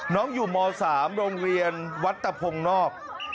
น้องอยู่ม๓โรงเรียนวัดตะพงศ์นอก